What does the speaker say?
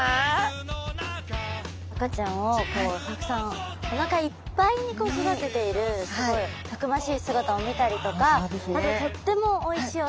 赤ちゃんをこうたくさんお腹いっぱいにこう育てているすごいたくましい姿を見たりとかあととってもおいしいお魚でしたよね！